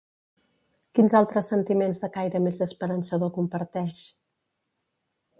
Quins altres sentiments de caire més esperançador comparteix?